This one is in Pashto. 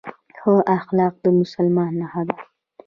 ښه اخلاق د مسلمان نښه ده